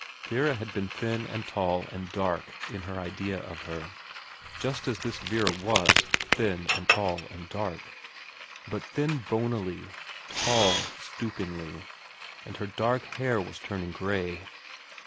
Vera had been thin and tall and dark in her idea of her, just as this Vera was thin and tall and dark ; but thin bonily, tall stoopingly, and her dark hair was turning grey.